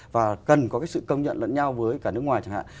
và cần có cái sự công nhận lẫn nhau với cả nước ngoài chẳng hạn